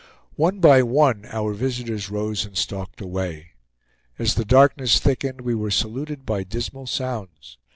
One by one our visitors rose and stalked away. As the darkness thickened we were saluted by dismal sounds.